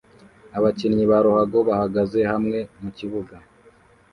Abakinyi ba ruhago bahagaze hamwe mukibuga